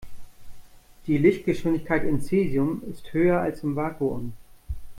Die Lichtgeschwindigkeit in Cäsium ist höher als im Vakuum.